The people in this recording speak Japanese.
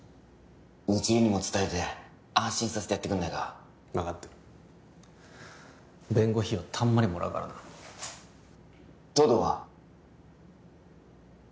未知留にも伝えて安心させてやってくれないか分かってる弁護費はたんまりもらうからな東堂は？